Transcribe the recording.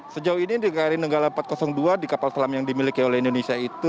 sejauh ini di kri nenggala empat ratus dua di kapal selam yang dimiliki oleh indonesia itu